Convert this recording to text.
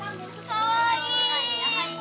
かわいい！